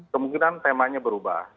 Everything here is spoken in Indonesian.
kemungkinan temanya berubah